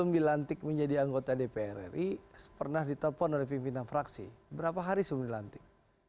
dilantik menjadi anggota dpr ri pernah ditelepon oleh pimpinan fraksi berapa hari sebelum dilantik